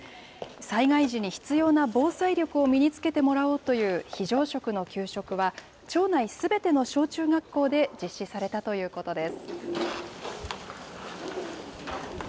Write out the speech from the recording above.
災害時に必要な防災力を身につけてもらおうという非常食の給食は、町内すべての小中学校で実施されたということです。